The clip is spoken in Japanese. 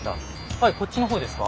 はいこっちの方ですか？